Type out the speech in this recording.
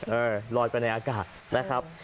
ลอยไปในอากาศนะครับ